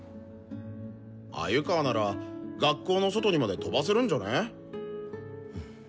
鮎川なら学校の外にまで飛ばせるんじゃね？